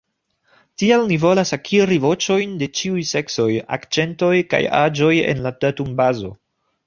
Tial ni volas akiri voĉojn de ĉiuj seksoj, akĉentoj kaj aĝoj en la datumbazo.